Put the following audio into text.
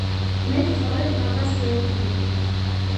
მეც სწორედ მაგას გეუბნები .